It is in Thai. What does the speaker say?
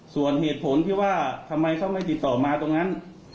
ส่วนเหตุผลที่ว่าทำไมเขาไม่ติดต่อมาตรงนั้น